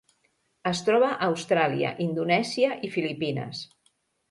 Es troba a Austràlia, Indonèsia i Filipines.